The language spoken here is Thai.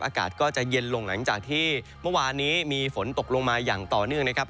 อากาศก็จะเย็นลงหลังจากที่เมื่อวานนี้มีฝนตกลงมาอย่างต่อเนื่องนะครับ